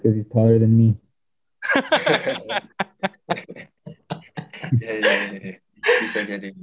karena dia lebih tua dari gue